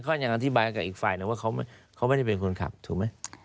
เขายังอธิบายกับอีกฝ่ายหนึ่งว่าเขาไม่ได้เป็นคนขับถูกไหม